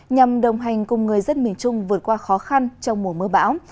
nhằm đồng hành cùng người dân miền trung vượt qua khó khăn trong mùa mưa bão